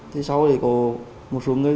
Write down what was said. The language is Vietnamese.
thì sau đấy có một số người